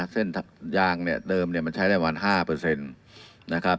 เส้นยางเนี่ยเติมใช้เรียกว่า๕